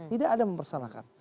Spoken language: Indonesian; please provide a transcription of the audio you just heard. tidak ada mempermasalahkan